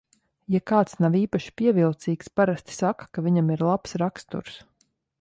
Ja kāds nav īpaši pievilcīgs, parasti saka, ka viņam ir labs raksturs.